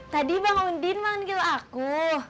tadi bang undin manggil aku